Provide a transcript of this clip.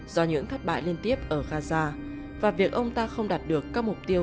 do những thất bại liên tiếp ở gaza và việc ông ta không đạt được các mục tiêu